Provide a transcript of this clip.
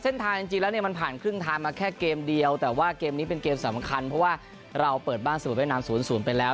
เส้นทางจริงจริงแล้วเนี้ยมันผ่านครึ่งทางมาแค่เกมเดียวแต่ว่าเกมนี้เป็นเกมสำคัญเพราะว่าเราเปิดบ้านเสมอเวียดนามศูนย์ศูนย์ไปแล้ว